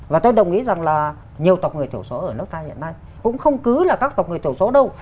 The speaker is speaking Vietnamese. và tôi đồng ý rằng là nhiều tộc người thiểu số ở nước ta hiện nay cũng không cứ là các tộc người thiểu số đâu